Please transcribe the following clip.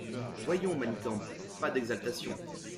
Voyons, Manicamp, pas d’exaltation…